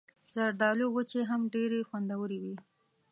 زردالو وچې هم ډېرې خوندورې وي.